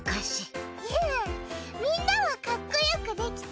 みんなはかっこよくできた？